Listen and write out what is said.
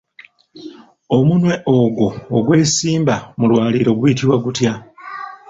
Omunwe ogwo ogwesimba mu lwaliiro guyitibwa gutya?